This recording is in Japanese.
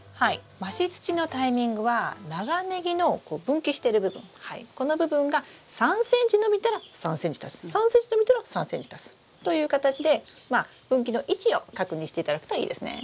増し土のタイミングは長ネギの分岐してる部分この部分が３ｃｍ伸びたら３ｃｍ足す３ｃｍ伸びたら３ｃｍ足すという形で分岐の位置を確認していただくといいですね。